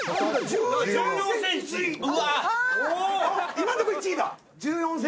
今んとこ１位だ。